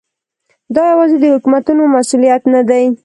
دا یوازې د حکومتونو مسؤلیت نه دی.